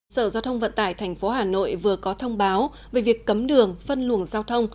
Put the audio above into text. sở giao thông vận tải tp hà nội vừa có thông báo về việc cấm đường phân luồng giao thông